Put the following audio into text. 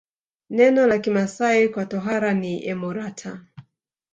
Neno la Kimasai kwa tohara ni emorata